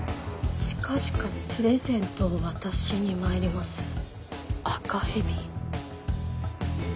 「近々プレゼントを渡しに参ります赤蛇」。